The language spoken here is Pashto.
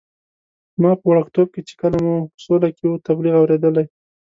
ما په وړکتوب کې چې کلی مو په سوله کې وو، تبلیغ اورېدلی.